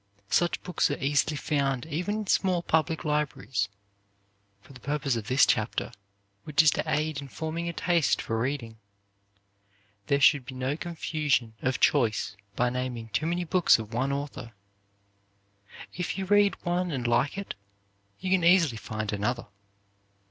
Such books are easily found even in small public libraries. For the purpose of this chapter, which is to aid in forming a taste for reading, there should be no confusion of choice by naming too many books of one author. If you read one and like it, you can easily find another.